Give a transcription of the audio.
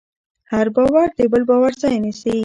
هر باور د بل باور ځای نيسي.